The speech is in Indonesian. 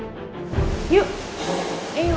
udah turutin aja maunya tanti